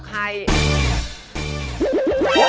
อืดถึกทนในรายการคะ